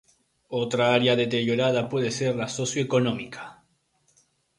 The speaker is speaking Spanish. Otra área deteriorada puede ser la socioeconómica.